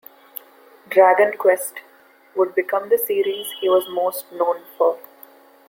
"Dragon Quest" would become the series he was most known for.